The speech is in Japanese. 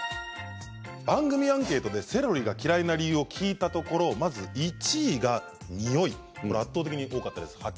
番組アンケートでセロリが嫌いな理由を聞いたところ、まず１位はにおい圧倒的に多かったです。